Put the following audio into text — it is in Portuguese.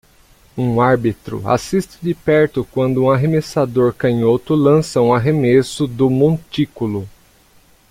Um árbitro assiste de perto quando um arremessador canhoto lança um arremesso do montículo.